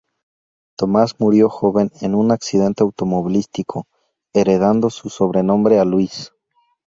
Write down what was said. Tomás murió joven en un accidente automovilístico, heredando su sobrenombre a Luis.